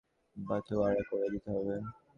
তবু জরিমানাটা তোমাতে-আমাতেই বাঁটোয়ারা করে দিতে হবে।